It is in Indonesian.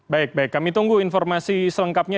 baik baik kami tunggu informasi selengkapnya